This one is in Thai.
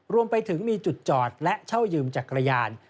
รวมไปถึงมีจุดจอดและเช่ายืมจักรยาน